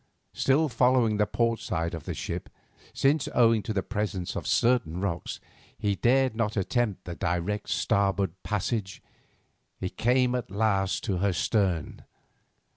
Still following the port side of the ship, since owing to the presence of certain rocks he dared not attempt the direct starboard passage, he came at last to her stern.